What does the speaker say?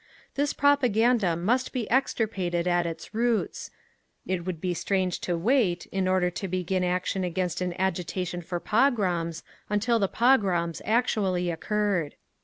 This propaganda must be extirpated at its roots; it would be strange to wait, in order to begin action against an agitation for pogroms, until the pogroms actually occurred…."